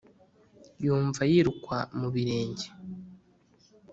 Yumva yirukwa mu birenge,